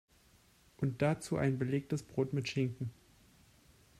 Und dazu ein belegtes Brot mit Schinken.